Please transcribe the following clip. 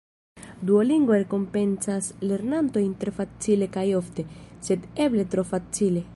Duolingo rekompencas lernantojn tre facile kaj ofte, sed eble tro facile.